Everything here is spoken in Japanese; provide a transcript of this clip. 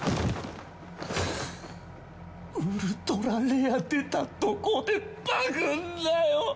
ウルトラレア出たとこでバグんなよ！